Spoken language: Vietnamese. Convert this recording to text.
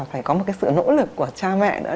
phải có một sự nỗ lực của cha mẹ